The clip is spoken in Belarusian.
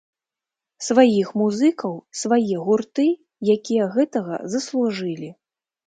Сваіх музыкаў, свае гурты, якія гэтага заслужылі!